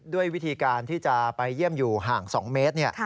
ด้วยวิธีการที่จะไปเยี่ยมอยู่ห่าง๒เมตร